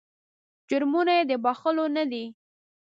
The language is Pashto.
جرمونه یې د بخښلو نه دي.